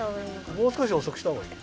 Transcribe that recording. もうすこしおそくしたほうがいい。